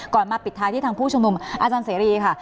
มาปิดท้ายที่ทางผู้ชุมนุมอาจารย์เสรีค่ะ